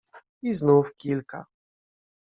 I znów kilka.